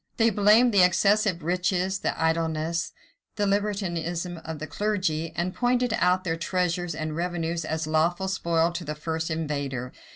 They blamed the excessive riches, the idleness, the libertinism of the clergy; and pointed out their treasures and revenues as lawful spoil to the first invader.